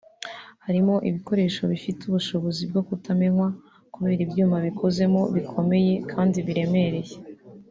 Harimo ibikoresho bifite ubushobozi bwo kutamenwa kubera ibyuma bikozemo bikomeye kandi biremereye